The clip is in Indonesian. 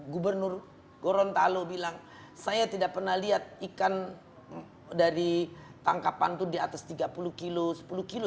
gubernur gorontalo bilang saya tidak pernah lihat ikan dari tangkapan itu di atas tiga puluh kilo sepuluh kilo